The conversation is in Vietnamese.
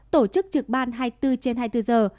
tổ chức trực ban hai mươi bốn trên hai mươi bốn giờ